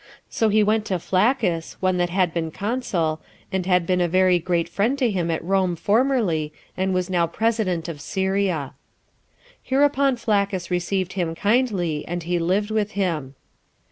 So he went to Flaccus, one that had been consul, and had been a very great friend to him at Rome formerly, and was now president of Syria. 3. Hereupon Flaccus received him kindly, and he lived with him.